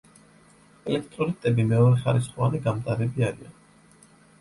ელექტროლიტები მეორეხარისხოვანი გამტარები არიან.